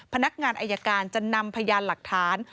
พนักงานอายการจะนำพยานหลักฐาน